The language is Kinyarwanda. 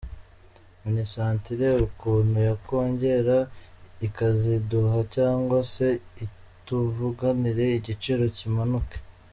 Minisante irebe ukuntu yakongera ikaziduha cyangwa se ituvuganire igiciro kimanuke.